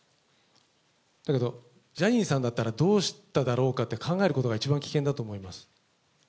だけど、ジャニーさんだったらどうしただろうかって考えることが一番危険だと思います。